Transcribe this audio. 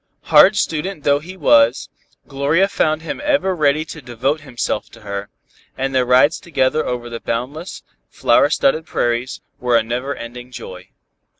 Hard student though he was, Gloria found him ever ready to devote himself to her, and their rides together over the boundless, flower studded prairies, were a never ending joy.